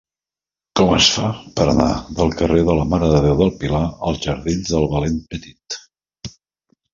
Com es fa per anar del carrer de la Mare de Déu del Pilar als jardins del Valent Petit?